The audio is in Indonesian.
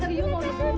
jangan jangan jangan